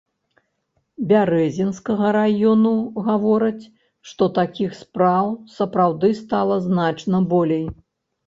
Бярэзінскага раёнаў гавораць, што такіх спраў сапраўды стала значна болей.